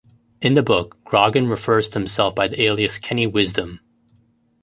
In the book, Grogan refers to himself by the alias "Kenny Wisdom".